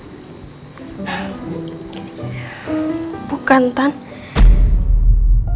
tante bukan tante